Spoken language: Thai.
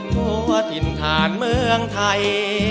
ทั่วถิ่นฐานเมืองไทย